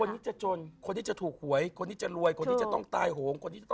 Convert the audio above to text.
คนที่จะจนคนที่จะถูกหวยคนที่จะรวยคนที่จะต้องตายโหง